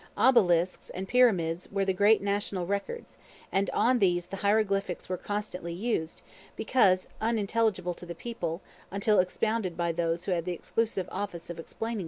Obelisks and pyramids were the great national records; and on these the hieroglyphics were constantly used, because unintelligible to the people, until expounded by those who had the exclusive office of explaining them.